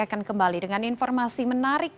akan kembali dengan informasi menarik